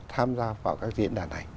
tham gia vào các diễn đàn này